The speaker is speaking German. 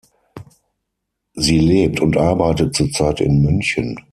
Sie lebt und arbeitet zurzeit in München.